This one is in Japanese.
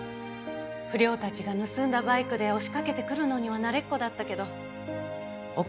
不良たちが盗んだバイクで押しかけてくるのには慣れっこだったけど岡